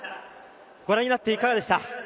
ご覧になっていかがでした。